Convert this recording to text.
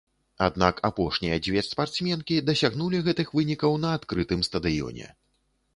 Аднак апошнія дзве спартсменкі дасягнулі гэтых вынікаў на адкрытым стадыёне.